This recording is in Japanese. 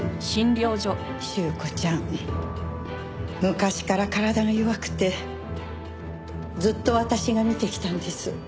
朱子ちゃん昔から体が弱くてずっと私が診てきたんです。